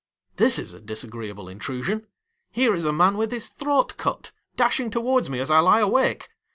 This is a disagreeable intrusion ! Here is a man with his throat cut, dashing towards me as I lie awake